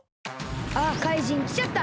あっかいじんきちゃった！